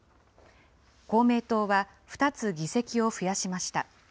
公明党は２つ議席を増やしました。